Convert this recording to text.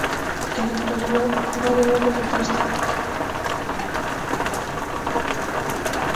En la actualidad, no debe repetirse más de tres veces consecutivas un mismo signo.